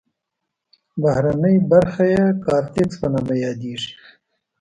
بهرنۍ برخه یې کارتکس په نامه یادیږي.